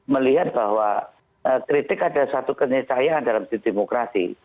melihat bahwa kritik ada satu kenyataan dalam sisi demokrasi